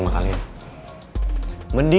gak ada apa apa